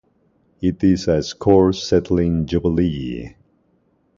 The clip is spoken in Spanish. It is a score-settling jubilee.